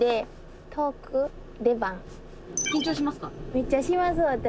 めっちゃします私。